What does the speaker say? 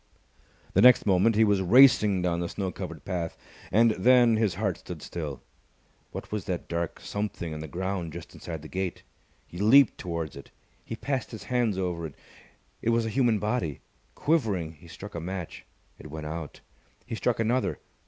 The next moment he was racing down the snow covered path. And then his heart stood still. What was that dark something on the ground just inside the gate? He leaped towards it. He passed his hands over it. It was a human body. Quivering, he struck a match. It went out. He struck another.